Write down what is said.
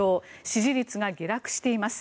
支持率が下落しています。